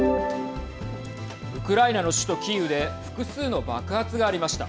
ウクライナの首都キーウで複数の爆発がありました。